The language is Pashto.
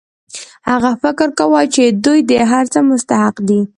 هغه فکر کاوه چې دوی د هر څه مستحق دي